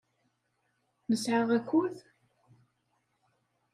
Nesɛa akud?